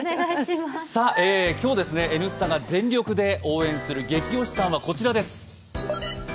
今日、「Ｎスタ」が全力で応援するゲキ推しさんはこちらです。